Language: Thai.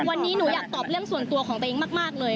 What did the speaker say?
วันนี้หนูอยากตอบเรื่องส่วนตัวของตัวเองมากเลย